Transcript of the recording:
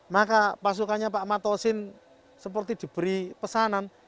maka pasukannya pak matosin seperti diberi pesanan